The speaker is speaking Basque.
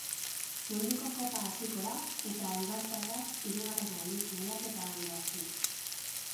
Munduko kopa hasiko da eta eibartarrak hirugarren aldiz lehiaketa hau irabazi nahi du.